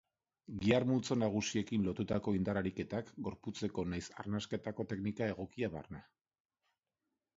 Gihar-multzo nagusiekin lotutako indar-ariketak, gorputzeko nahiz arnasketako teknika egokia barne.